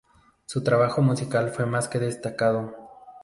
Su trabajo musical fue más que destacado.